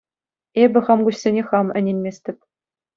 Эпӗ хам куҫсене хам ӗненместӗп.